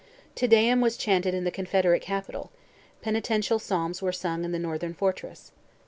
Te Deum was chanted in the Confederate Capital; penitential psalms were sung in the Northern fortress.